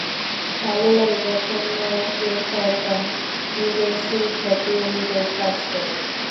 ভালো লাগে যখন নারকীয় শয়তান নিজের সুখ্যাতি অনুযায়ী কাজ করে।